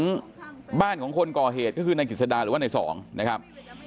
ตอนนี้บ้านของคนก่อเหจก็คือนางกฏศดาหรือว่าไหนสองนะครับ